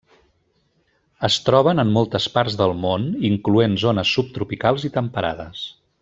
Es troben en moltes parts del món incloent zones subtropicals i temperades.